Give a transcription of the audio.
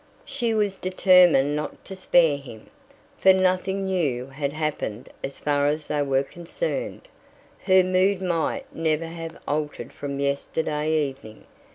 She was determined not to spare him, for nothing new had happened as far as they were concerned. Her mood might never have altered from yesterday evening.